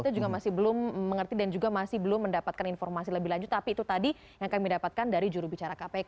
itu juga masih belum mengerti dan juga masih belum mendapatkan informasi lebih lanjut tapi itu tadi yang kami dapatkan dari jurubicara kpk